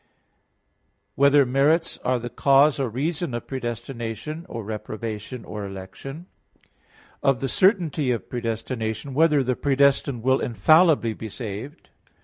(5) Whether merits are the cause or reason of predestination, or reprobation, or election? (6) of the certainty of predestination; whether the predestined will infallibly be saved?